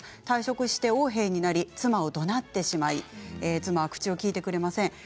退職して横柄になり妻をどなってしまい妻が口を利いてくれません。